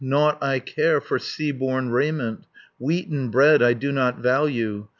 110 Nought I care for sea borne raiment, Wheaten bread I do not value.